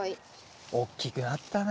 大きくなったね。